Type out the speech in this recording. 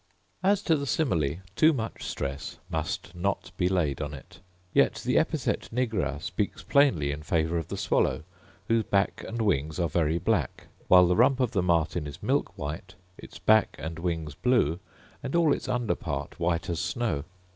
As to the simile, too much stress must not be laid on it: yet the epithet nigra speaks plainly in favour of the swallow, whose back and wings are very black; while the rump of the martin is milk white, its back and wings blue, and all its under part white as snow.